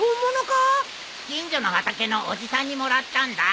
近所の畑のおじさんにもらったんだ。